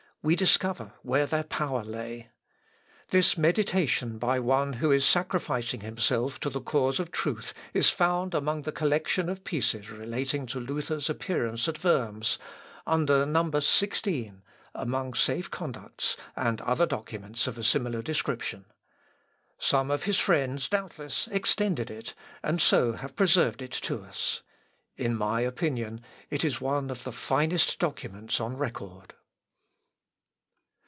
We discover where their power lay. This meditation by one who is sacrificing himself to the cause of truth, is found among the collection of pieces relating to Luther's appearance at Worms, under number XVI, among safe conducts, and other documents of a similar description. Some of his friends doubtless extended it, and so have preserved it to us. In my opinion, it is one of the finest documents on record.